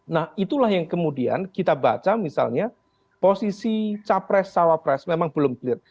nah itulah yang kemudian kita baca misalnya posisi capres cawapres memang belum clear